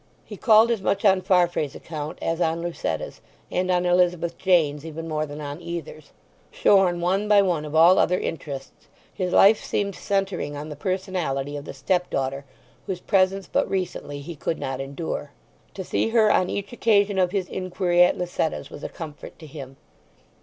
He called as much on Farfrae's account as on Lucetta's, and on Elizabeth Jane's even more than on either's. Shorn one by one of all other interests, his life seemed centring on the personality of the stepdaughter whose presence but recently he could not endure. To see her on each occasion of his inquiry at Lucetta's was a comfort to him.